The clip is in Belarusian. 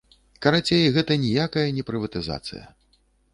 Карацей, гэта ніякая не прыватызацыя.